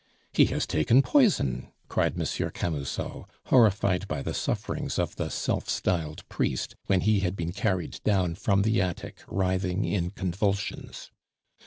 "He has taken poison!" cried Monsieur Camusot, horrified by the sufferings of the self styled priest when he had been carried down from the attic writhing in convulsions.